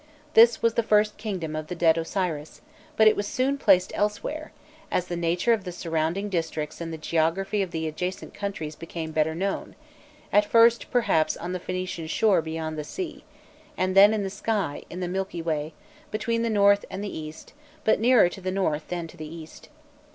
This was the first kingdom of the dead Osiris, but it was soon placed elsewhere, as the nature of the surrounding districts and the geography of the adjacent countries became better known; at first perhaps on the Phoenician shore beyond the sea, and then in the sky, in the Milky Way, between the North and the East, but nearer to the North than to the East.